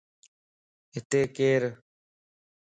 ھتي ڪير؟